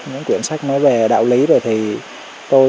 những quyển sách nói về đạo lý rồi thì tôi